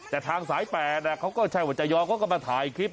แต่ทางสาย๘เขาก็ใช่ว่าจะยอมเขาก็มาถ่ายคลิป